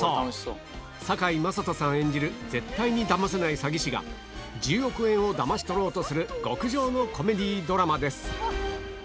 堺雅人さん演じる絶対にダマせない詐欺師が１０億円をダマし取ろうとする極上のコメディードラマです